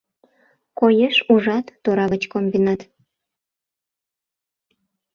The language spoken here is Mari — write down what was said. Коеш, ужат, тора гыч комбинат